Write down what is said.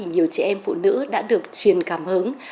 nhiều chị em phụ nữ đã được truyền cảm hứng